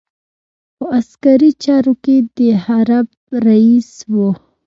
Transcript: په عسکري چارو کې د حرب رئیس وو.